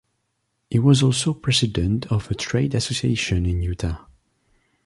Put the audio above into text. He was also president of a trade association in Utah.